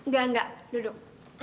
gak gak duduk